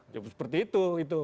ya seperti itu